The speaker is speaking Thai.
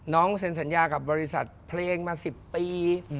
เซ็นสัญญากับบริษัทเพลงมา๑๐ปี